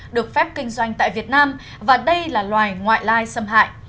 được phép kinh doanh tại việt nam và đây là loài ngoại lai xâm hại